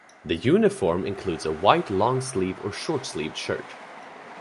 The uniform includes a white long sleeve or short sleeved shirt.